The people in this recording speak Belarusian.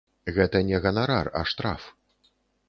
Гэта не ганарар, а штраф.